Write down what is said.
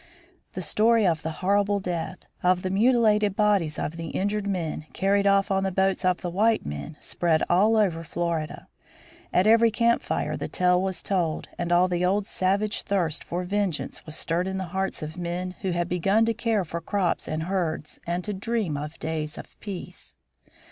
The story of the horrible death, of the mutilated bodies of the injured men carried off on the boats of the white men, spread all over Florida. At every camp fire the tale was told, and all the old savage thirst for vengeance was stirred in the hearts of men who had begun to care for crops and herds and to dream of days of peace.